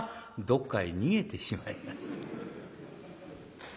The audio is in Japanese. どっかへ逃げてしまいました。